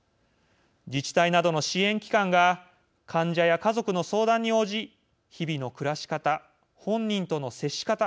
自治体などの支援機関が患者や家族の相談に応じ日々の暮らし方、本人との接し方